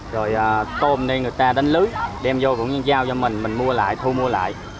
rồi tôm đây người ta đánh lưới đem vô cũng giao cho mình mình mua lại thu mua lại